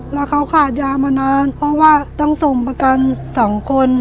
แล้วเขาขาดยามานานเพราะว่าต้องส่งประกันสองคน